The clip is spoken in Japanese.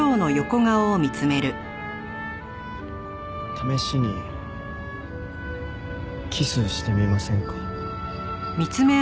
試しにキスしてみませんか？